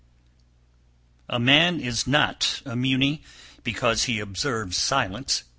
A man is not a Muni because he observes silence (mona, i.e.